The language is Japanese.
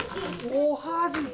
おはじき？